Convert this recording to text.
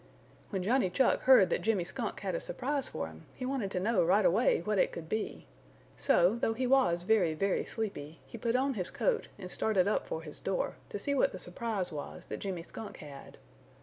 When Johnny Chuck heard that Jimmy Skunk had a surprise for him he wanted to know right away what it could be, so though he was very, very sleepy, he put on his coat and started up for his door to see what the surprise was that Jimmy Skunk had.